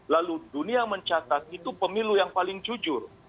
lalu dunia mencatat itu pemilu yang paling jujur